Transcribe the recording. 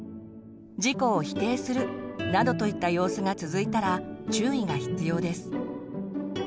自己を否定するなどといった様子が続いたら注意が必要です。